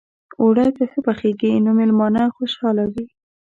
اوړه که ښه پخېږي، نو میلمانه خوشحاله وي